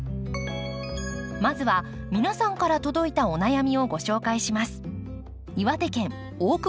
まずは皆さんから届いたお悩みをご紹介します。